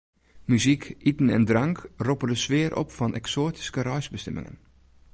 Muzyk, iten en drank roppe de sfear op fan eksoatyske reisbestimmingen.